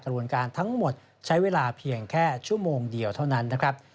รวมการทั้งหมดใช้เวลาเพียงแค่ชั่วโมงเดียวเท่านั้นนะครับ